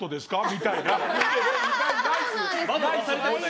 みたいな。